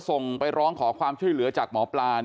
ส่งไปร้องขอความช่วยเหลือจากหมอปลา